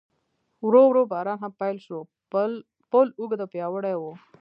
ورو ورو باران هم پیل شو، پل اوږد او پیاوړی و.